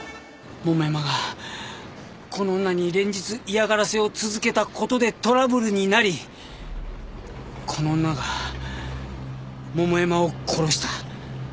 桃山がこの女に連日嫌がらせを続けた事でトラブルになりこの女が桃山を殺した。